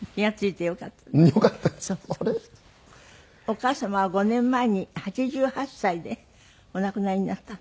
お母様は５年前に８８歳でお亡くなりになった。